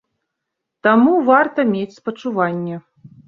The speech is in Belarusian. Таму варта мець спачуванне.